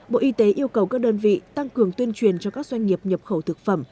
bộ y tế yêu cầu các đơn vị tăng cường tuyên truyền cho các doanh nghiệp nhập khẩu thực phẩm